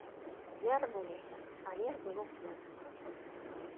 Вярнуліся, але ж было позна.